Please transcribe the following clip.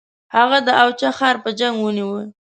هغه د اوچه ښار په جنګ ونیوی.